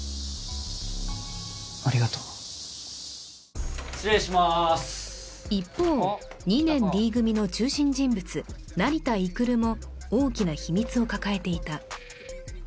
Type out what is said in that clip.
ありがとう失礼しまーす一方２年Ｄ組の中心人物成田育も大きな秘密を抱えていた